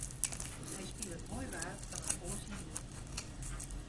Hy spilet moai waar fan in oar syn jild.